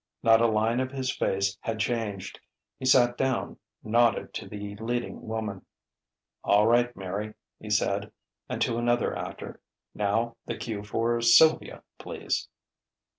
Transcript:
Not a line of his face had changed. He sat down, nodded to the leading woman. "All right, Mary," he said; and to another actor: "Now, the cue for Sylvia, please!"